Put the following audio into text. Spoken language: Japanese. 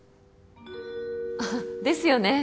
あっですよね。